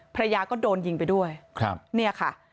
ภรรยาก็โดนยิงไปด้วยครับเนี่ยค่ะ